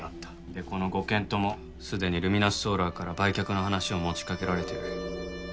でこの５軒ともすでにルミナスソーラーから売却の話を持ちかけられてる。